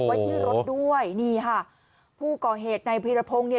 ไว้ที่รถด้วยนี่ค่ะผู้ก่อเหตุในพีรพงศ์เนี่ย